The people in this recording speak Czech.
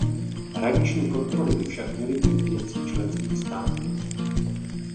Hraniční kontroly by však měly být věcí členských států.